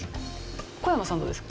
小山さんどうですか？